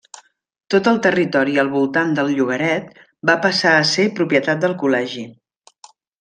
Tot el territori al voltant del llogaret va passar a ser propietat del col·legi.